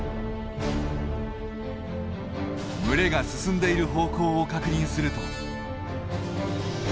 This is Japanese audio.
群れが進んでいる方向を確認すると。